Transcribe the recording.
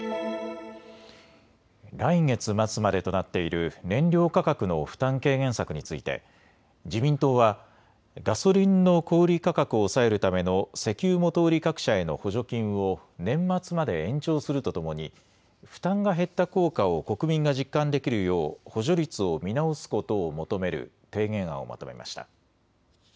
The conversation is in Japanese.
来月末までとなっている燃料価格の負担軽減策について自民党はガソリンの小売り価格を抑えるための石油元売り各社への補助金を年末まで延長するとともに負担が減った効果を国民が実感できるよう補助率を見直すことを求める提言案をまとめました。